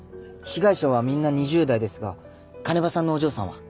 被害者はみんな２０代ですが鐘場さんのお嬢さんは。